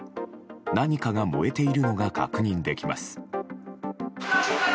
何かが燃えているのが確認できます。